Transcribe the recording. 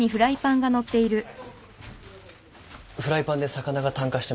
フライパンで魚が炭化してました。